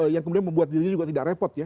yang kemudian membuat dirinya juga tidak repot ya